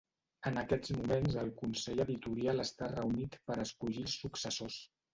En aquests moments el consell editorial està reunit per escollir els successors.